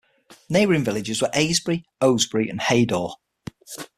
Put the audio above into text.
Neighbouring villages are Aisby, Oasby, and Heydour.